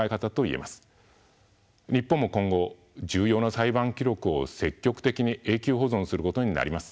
日本も今後重要な裁判記録を積極的に永久保存することになります。